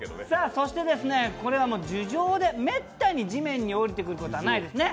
そしてこれ、樹上で、めったに地面に下りてくることはないんですね。